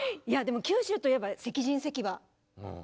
いやでも九州といえば石人石馬。